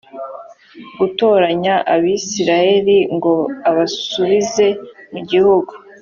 gutoranya abisirayeli ngo abasubize mu gihugu